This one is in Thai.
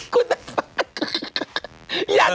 คุณนักฟัง